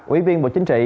ủy viên bộ chính trị